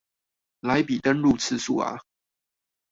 來比登入次數啊